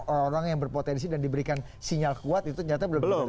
orang yang berpotensi dan diberikan sinyal kuat itu nyatanya belum di referensi